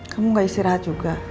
kamu gak istirahat juga